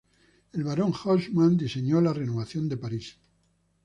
El Barón Haussmann diseñó la renovación de París.